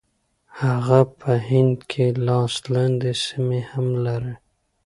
هغه په هند کې لاس لاندې سیمې هم لري.